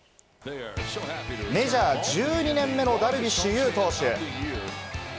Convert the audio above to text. メジャー１２年目のダルビッシュ有投手。